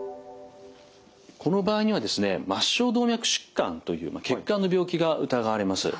この場合にはですね末梢動脈疾患という血管の病気が疑われます。